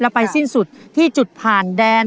แล้วไปสิ้นสุดที่จุดผ่านแดน